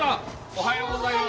おはようございます。